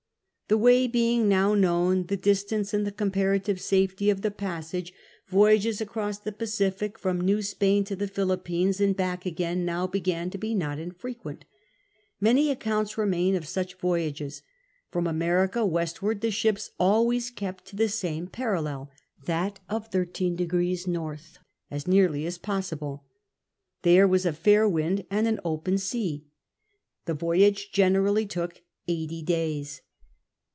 The way being now known, the distance, and the comparative safety of the pasi^age, voyages across the Pacific from New Spain tb the Philippines and back again now began to be not infrequent Many accounts remain of such voyages; from America westward the ships always kept in the same parallel — that of 13° N. — as nearly as possible. Thci'e was a fair wind and an open sea. The voyage generally took eighty days.